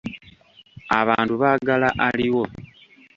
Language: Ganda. Abantu baagala aliwo.